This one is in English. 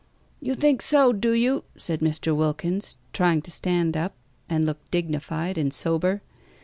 "You think so, do you?" said Mr. Wilkins, trying to stand up, and look dignified and sober.